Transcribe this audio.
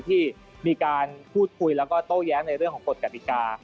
ที่มีการพูดคุยแล้วก็โต้แย้งในเรื่องของกฎกติกา